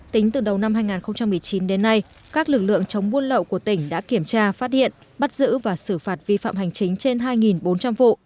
tính từ đầu năm hai nghìn một mươi chín đến nay các lực lượng chống buôn lậu của tỉnh đã kiểm tra phát hiện bắt giữ và xử phạt vi phạm hành chính trên hai bốn trăm linh vụ